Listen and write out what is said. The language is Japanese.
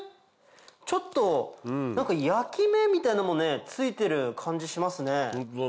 ちょっと焼き目みたいなのもついてる感じしますね。